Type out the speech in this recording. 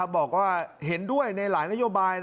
บอกว่าเห็นด้วยในหลายนโยบาย